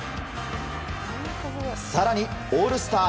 更にオールスター